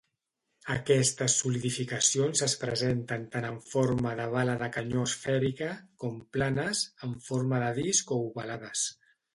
Aquestes solidificacions es presenten tan en forma de bala de canyó esfèrica, com planes, en forma de disc o ovalades.